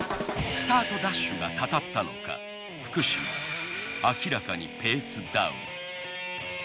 スタートダッシュがたたったのか福島明らかにペースダウン。